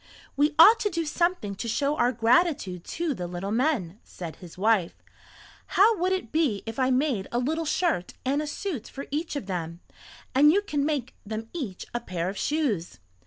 "We ought to do something to show our gratitude to the little men," said his wife. "How would it be if I made a little shirt and a suit for each of them, and you can make them each a pair of shoes."